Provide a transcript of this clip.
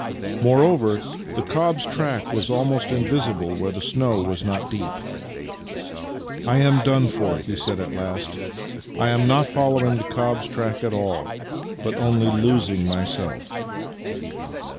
Moreover, the cob's track was almost invisible where the snow was not deep. " I am done for! " he said at last. " I am not following the cob's track at all, but only losing my self."